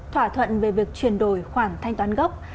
thỏa thuận về việc chuyển đổi khoản thanh toán gốc